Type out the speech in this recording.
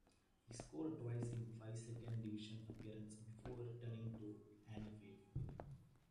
He scored twice in five Second Division appearances before returning to Anfield.